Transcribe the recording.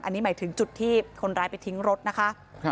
อันนี้หมายถึงจุดที่คนร้ายไปทิ้งรถนะคะ